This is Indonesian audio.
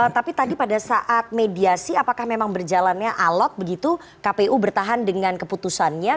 tapi tadi pada saat mediasi apakah memang berjalannya alot begitu kpu bertahan dengan keputusannya